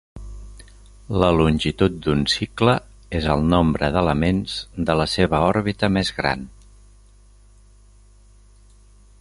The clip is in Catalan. La longitud d'un cicle és el nombre d'elements de la seva òrbita més gran.